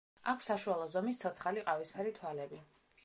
აქვს საშუალო ზომის, ცოცხალი, ყავისფერი თვალები.